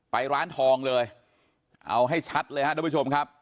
ไปร้านทองเลยเอาให้ชัดเลยครับทุกผู้ชมครับ